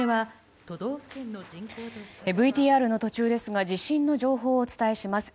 ＶＴＲの途中ですが地震の情報をお伝えします。